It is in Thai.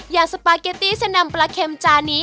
อยากสปาเก็ตตี้เส้นดำปลาเข็มจานี้